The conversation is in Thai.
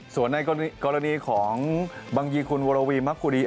ส่วนในกรณีของบางยีคุณโวระวีร์มะคูริ